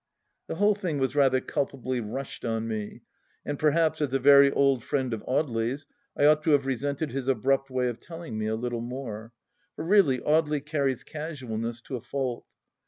The whole thing was rather culpably rushed on me ; and perhaps, as a very old friend of Audely's, I ought to have resented his abrupt way of telling me, a little more. For really Audely carries casualness to a fault.